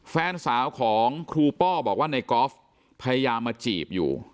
แฟนสาวของครูป้อบอกว่าในกอล์ฟพยายามมาจีบอยู่